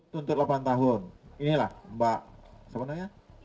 tuntut delapan tahun inilah mbak siapa namanya